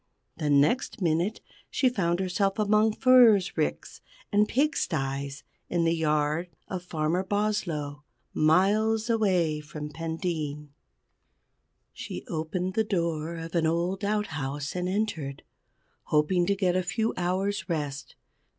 The next minute she found herself among furze ricks and pigsties, in the yard of Farmer Boslow, miles away from Pendeen. She opened the door of an old outhouse, and entered, hoping to get a few hours' rest.